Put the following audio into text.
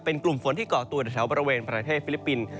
เป็นกลุ่มฝนที่เกาะตัวแถวบริเวณประเทศฟิลิปปินส์